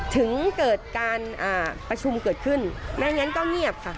ถึงเกิดการประชุมเกิดขึ้นไม่งั้นก็เงียบค่ะ